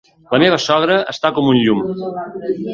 La meva sogra està com un llum.